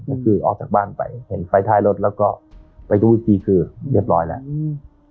ก็คือออกจากบ้านไปเห็นไฟท้ายรถแล้วก็ไปรู้อีกทีคือเรียบร้อยแล้วอืม